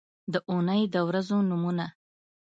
د اونۍ د ورځو نومونه